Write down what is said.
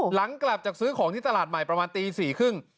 หลังกลับจากซื้อของที่ตลาดใหม่ประมาณตี๔๓๐